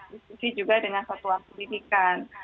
dikisi juga dengan satu akun pendidikan